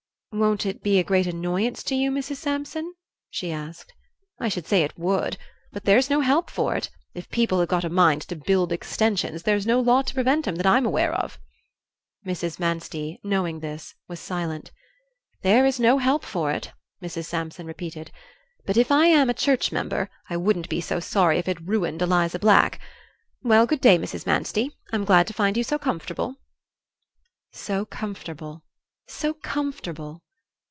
"Won't it be a great annoyance to you, Mrs. Sampson?" she asked. "I should say it would. But there's no help for it; if people have got a mind to build extensions there's no law to prevent 'em, that I'm aware of." Mrs. Manstey, knowing this, was silent. "There is no help for it," Mrs. Sampson repeated, "but if I AM a church member, I wouldn't be so sorry if it ruined Eliza Black. Well, good day, Mrs. Manstey; I'm glad to find you so comfortable." So comfortable so comfortable!